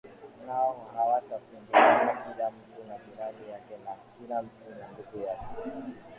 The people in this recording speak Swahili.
Nao hawatafundishana kila mtu na jirani yake Na kila mtu na ndugu yake